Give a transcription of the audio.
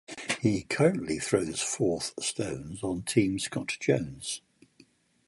He currently throws Fourth stones on Team Scott Jones.